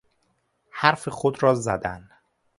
حرف خود را زدن